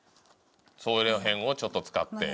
その辺をちょっと使って。